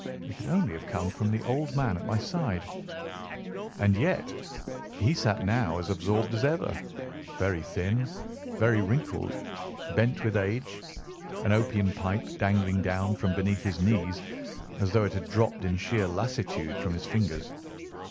They could only have come from the old man at my side, and yet he sat now as absorbed as ever, very thin, very wrinkled, bent with age, an opium pipe dangling down from between his knees, as though it had dropped in sheer lassitude from his fingers.